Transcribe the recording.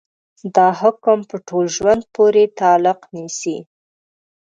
دا حکم په ټول ژوند پورې تعلق نيسي.